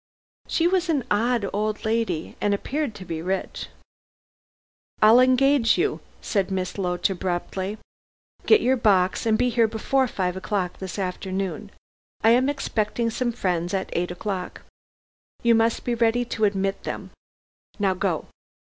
She was an odd old lady and appeared to be rich. "I'll engage you," said Miss Loach abruptly; "get your box and be here before five o'clock this afternoon. I am expecting some friends at eight o'clock. You must be ready to admit them. Now go!"